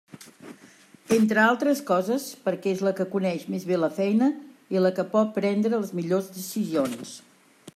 Entre altres coses perquè és la que coneix més bé la feina i la que pot prendre les millors decisions.